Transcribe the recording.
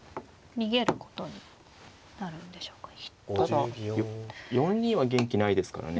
ただ４二は元気ないですからね